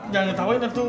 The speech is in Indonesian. jangan ketawa nek tuh